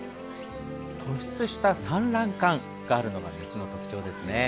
突出した産卵管があるのがメスの特徴です。